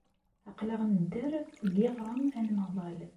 Aql-aɣ nedder deg yiɣrem anmaḍal.